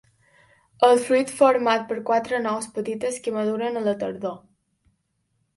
El fruit format per quatre nous petites que maduren a la tardor.